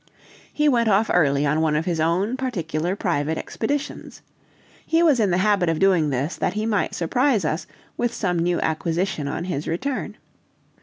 He went off early on one of his own particular private expeditions. He was in the habit of doing this that he might surprise us with some new acquisition on his return.